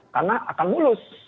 karena akan mulus